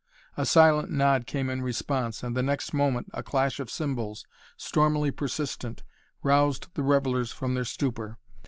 A silent nod came in response and the next moment a clash of cymbals, stormily persistent, roused the revellers from their stupor.